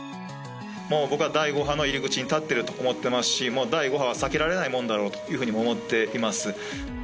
もう僕は第５波の入り口に立ってると思ってますし、もう第５波は避けられないものだろうというふうにも思っています。